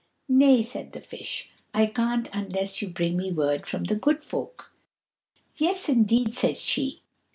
"Nay," said the Fish, "I can't unless you bring me word from the Good Folk." "Yes, indeed," said she.